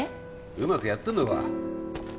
うまくやってんのか？